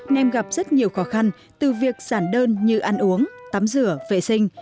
nên gặp rất nhiều khó khăn từ việc giản đơn như ăn uống tắm rửa vệ sinh